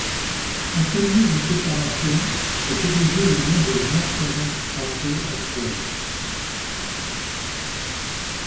Un tel mur de séparation est érigé le long de la Marc-Aurel-Strasse actuelle.